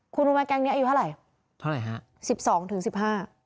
คุณรู้ไหมแก๊งเนี้ยอายุเท่าไหร่เท่าไหร่ฮะสิบสองถึงสิบห้า